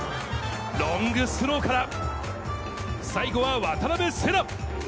ロングスローから最後は渡邊星来。